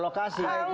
tidak ada pengusuran